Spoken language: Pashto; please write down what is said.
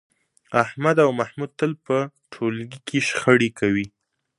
احمد او محمود تل په ټولگي کې شخړې کوي